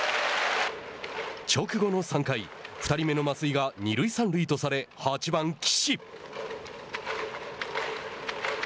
直後の３回２人目の増井が二塁三塁とされ８番岸。